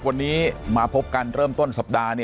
วันนี้มาพบกันเริ่มต้นสัปดาห์